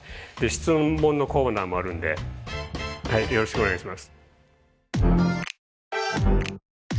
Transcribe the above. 質問のコーナーもあるんでよろしくお願いします。